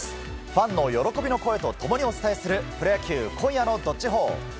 ファンの喜びの声と共にお伝えするプロ野球今夜の「＃どっちほー」。